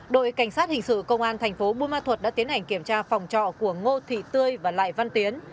đội cảnh sát hình sự công an tp bunma thuật đã tiến hành kiểm tra phòng trọ của ngô thị tươi và lại văn tiến